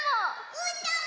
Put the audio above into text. うーたんも！